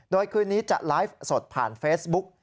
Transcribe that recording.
โดยคืนนี้จะไลฟ์สดผ่านเฟซบุ๊ก